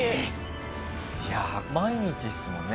毎日ですもんね？